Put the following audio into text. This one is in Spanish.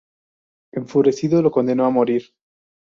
Enfurecido, lo condenó a morir.